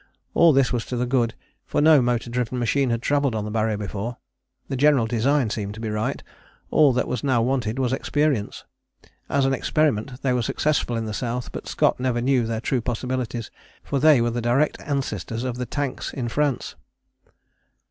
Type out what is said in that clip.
All this was to the good, for no motor driven machine had travelled on the Barrier before. The general design seemed to be right, all that was now wanted was experience. As an experiment they were successful in the South, but Scott never knew their true possibilities; for they were the direct ancestors of the 'tanks' in France.